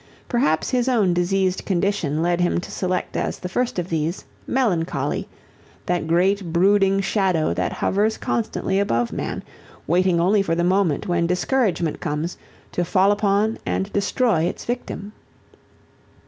Perhaps his own diseased condition led him to select as the first of these "Melancholy," that great brooding shadow that hovers constantly above man, waiting only for the moment when discouragement comes to fall upon and destroy its victim.